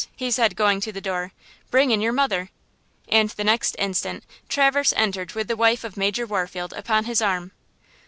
he said going to the door–" bring in your mother." And the next instant Traverse entered with the wife of Major Warfield upon his arm.